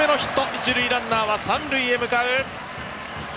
一塁ランナーは三塁へ。